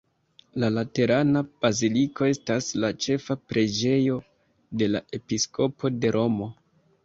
La Laterana baziliko estas la ĉefa preĝejo de la episkopo de Romo.